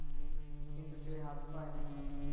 কিন্তু সে হাত পায়নি।